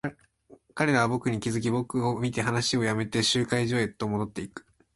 彼らは僕に気づき、僕を見て話を止めて、集会所へと戻っていく。